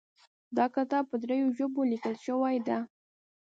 دا کتاب په دریو ژبو لیکل شوی ده